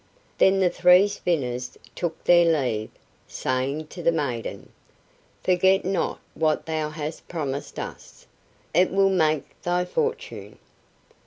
Then the three spinners took their leave, saying to the maiden: "Forget not what thou hast promised us; it will make thy fortune."